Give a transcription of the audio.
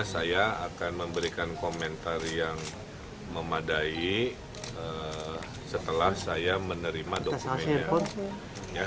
saya akan memberikan komentar yang memadai setelah saya menerima dokumennya